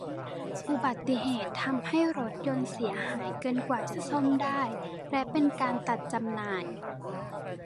อุบัติเหตุทำให้รถยนต์เสียหายเกินกว่าจะซ่อมได้และเป็นการตัดจำหน่าย